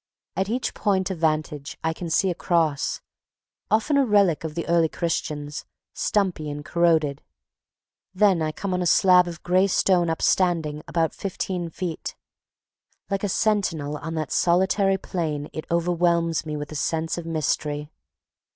At each point of vantage I can see a Cross, often a relic of the early Christians, stumpy and corroded. Then I come on a slab of gray stone upstanding about fifteen feet. Like a sentinel on that solitary plain it overwhelms me with a sense of mystery.